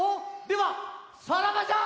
ではさらばじゃ！